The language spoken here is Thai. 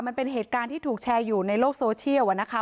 มันเป็นเหตุการณ์ที่ถูกแชร์อยู่ในโลกโซเชียลนะคะ